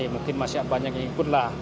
mungkin masih banyak yang ikut lah